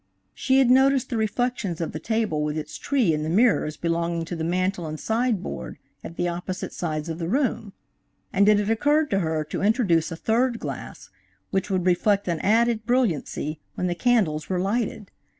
She had noticed the reflections of the table with its tree in the mirrors belonging to the mantel and sideboard at the opposite sides of the room, and it had occurred to her to introduce a third glass which would reflect an added brilliancy when the candles were lighted.